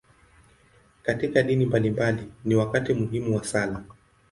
Katika dini mbalimbali, ni wakati muhimu wa sala.